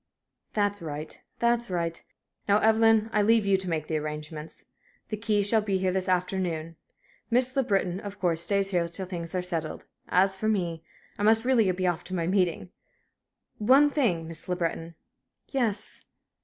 "That's right that's right. Now, Evelyn, I leave you to make the arrangements. The keys shall be here this afternoon. Miss Le Breton, of course, stays here till things are settled. As for me, I must really be off to my meeting. One thing, Miss Le Breton " "Yes."